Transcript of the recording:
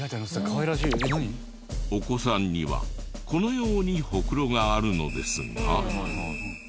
お子さんにはこのようにホクロがあるのですが。